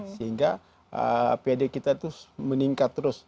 sehingga pad kita itu meningkat terus